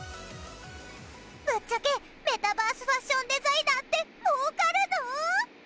ぶっちゃけメタバースファッションデザイナーって儲かるの？